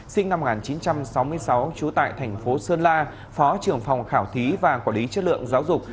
sinh năm một nghìn chín trăm sáu mươi sáu trú tại thành phố sơn la phó trưởng phòng khảo thí và quản lý chất lượng giáo dục